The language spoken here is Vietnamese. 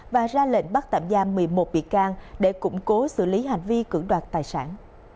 và ra lệnh bắt tạm giam một mươi một bị can để củng cố xử lý hành vi cưỡng đoạt tài sản